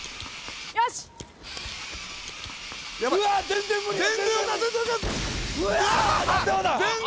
全然無理だ。